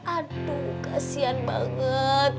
aduh kasihan banget